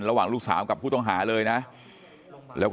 ระหว่างลูกสาวกับผู้ต้องหาเลยนะแล้วก็